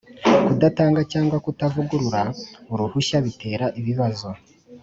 Kudatanga cyangwa kutavugurura uruhushya bitera ibibazol